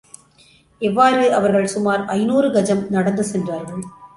இவ்வாறு அவர்கள் சுமார் ஐநூறு கஜம் நடந்து சென்றார்கள்.